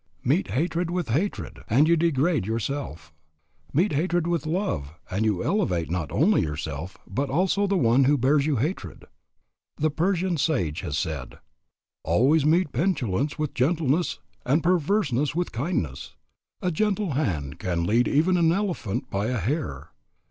Meet hatred with hatred and you degrade yourself. Meet hatred with love and you elevate not only yourself but also the one who bears you hatred. The Persian sage has said, "Always meet petulance with gentleness, and perverseness with kindness. A gentle hand can lead even an elephant by a hair.